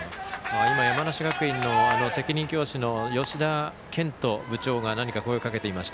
山梨学院の責任教師の吉田健人部長が何か声をかけていました。